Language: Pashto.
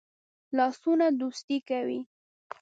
لاسونه دوستی کوي